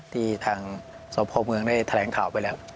ที่ทางสหพบริเวณได้แถลงข่าวไปแล้ว